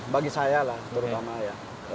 bagi saya lah terutama ya